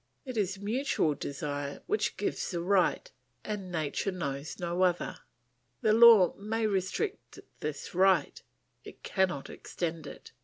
It is mutual desire which gives the right, and nature knows no other. The law may restrict this right, it cannot extend it.